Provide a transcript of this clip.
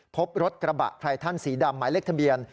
พบรถกระบะไททันสีดำหมายเลขทะเบียน